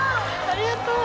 ありがとう。